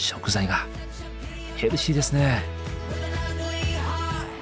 ヘルシーですね。